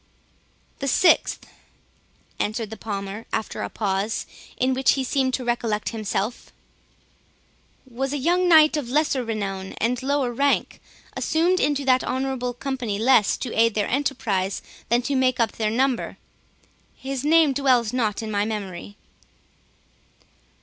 "The sixth," said the Palmer, after a pause, in which he seemed to recollect himself, "was a young knight of lesser renown and lower rank, assumed into that honourable company, less to aid their enterprise than to make up their number—his name dwells not in my memory."